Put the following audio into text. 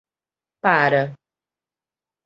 Para